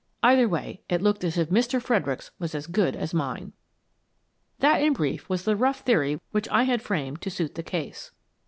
Either way, it looked as if Mr. Fredericks was as good as mine. That, in brief, was the rough theory which I had framed to suit the case.